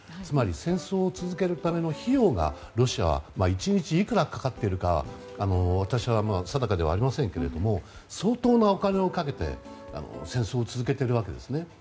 つまり戦争を続けるための費用がロシアは１日いくらかかっているかは私は定かではありませんが相当なお金をかけて戦争を続けているわけですね。